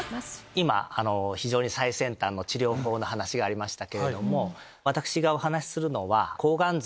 今非常に最先端の治療法の話がありましたけれども私がお話しするのは。